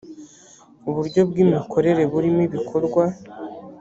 uburyo bw’imikorere burimo ibikorwa